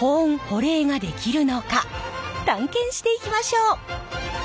探検していきましょう！